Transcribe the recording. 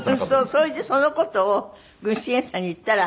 それでその事を具志堅さんに言ったら。